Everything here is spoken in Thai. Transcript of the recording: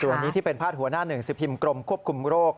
วันนี้ที่เป็นพาดหัวหน้าหนึ่งสิบพิมพ์กรมควบคุมโรค